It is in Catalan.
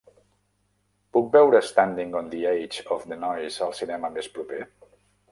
Puc veure Standing on the Edge of the Noise al cinema més proper?